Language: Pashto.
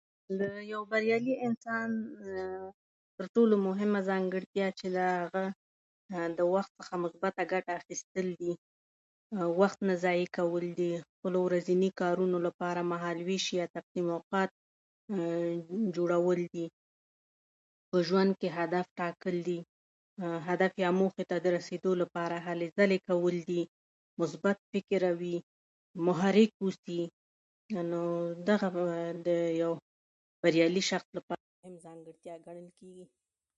د یو بریالي انسان تر ټولو مهمه ځانګړتیا چې ده، هغه د وخت څخه مثبته ګټه اخیستل دي، او وخت نه ضایع کول دي، او خپل ورځني کارونو لپاره مهالوېش یا تقسیم اوقات جوړول دي. په ژوند کې هدف ټاکل دي، هدف یا موخې ته د رسېدو لپاره هلې ځلې کول دي، مثبت فکر وي، محرک واوسي. نو دغه د یو بریالي شخص لپاره.